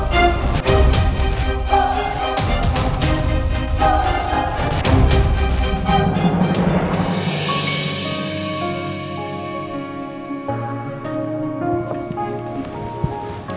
tidak ada apa apa